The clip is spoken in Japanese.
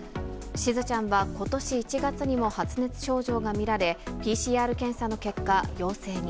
しずちゃんはことし１月にも発熱症状が見られ、ＰＣＲ検査の結果、陽性に。